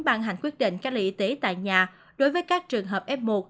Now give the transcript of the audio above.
ban hành quyết định các lý y tế tại nhà đối với các trường hợp f một